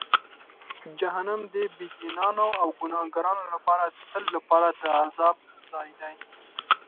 جهنم د بېدینانو او ګناهکارانو لپاره د تل لپاره د عذاب ځای دی.